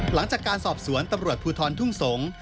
หลังจากการสอบสวนตำรวจภูทรทุ่งสงศ์